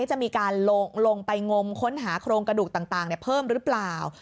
จะมีการลงไปงมค้นหาโครงกระดูกต่างเพิ่มหรือเปล่า